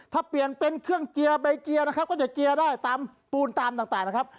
ถ้าเปลี่ยนเป็นเครื่องเกียร์ใบเกียร์นะครับก็จะเกียร์ได้ตามปูนตามต่างนะครับ